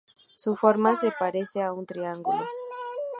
Su forma se parece a un triángulo.